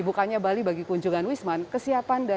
kemudian diperbolehkan untuk mengambil uang untuk menjaga keamanan